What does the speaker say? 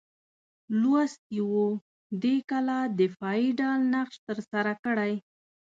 لوستي وو دې کلا دفاعي ډال نقش ترسره کړی.